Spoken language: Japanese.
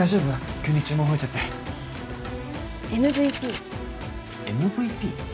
急に注文増えちゃってＭＶＰＭＶＰ？